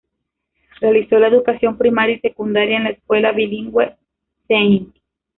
Realizó la educación primaria y secundaria en la escuela bilingüe St.